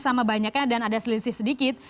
sama banyaknya dan ada selisih sedikit